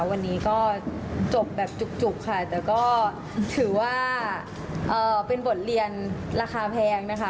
วันนี้ก็จบแบบจุกค่ะแต่ก็ถือว่าเป็นบทเรียนราคาแพงนะคะ